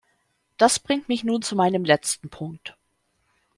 Das bringt mich nun zu meinem letzten Punkt.